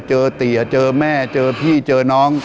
เจอเตียร์เจอแม่เจอพี่เจอน้อง